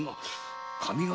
上方？